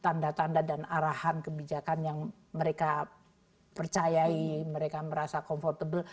tanda tanda dan arahan kebijakan yang mereka percayai mereka merasa comfortable